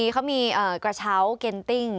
เขามีกระเช้าเก็นติ้ง